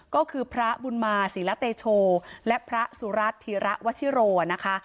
ก็คือพระบุญมาศิลเตโชและพระสุรัตนธีระวชิโรนะคะ